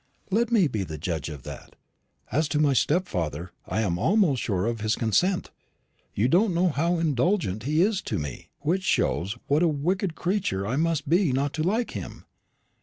"Let me be the judge of that. As to my stepfather, I am almost sure of his consent. You don't know how indulgent he is to me; which shows what a wicked creature I must be not to like him.